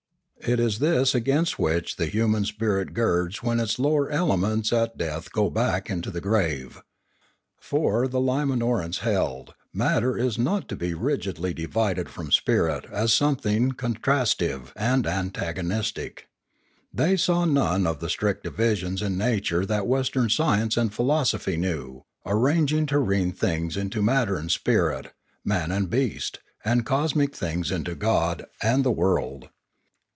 It is this against which the human spirit girds when Religion 68 1, its lower elements at death go back into the grave. For, the Limanorans held, matter is not to be rigidly divided from spirit as something contrastive and an tagonistic. They saw none of the strict divisions in nature that Western science and philosophy knew, ar ranging terrene things into matter and spirit, man and beast, and cosmic things into God and the world.